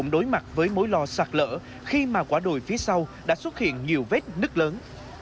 đối mặt với mối lo sạt lở khi mà quả đồi phía sau đã xuất hiện nhiều vết nứt lớn